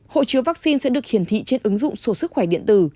hộ chiếu vaccine sẽ được hiển thị trên ứng dụng số sức khỏe điện tử